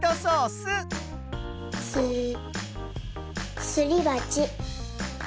スすりばち。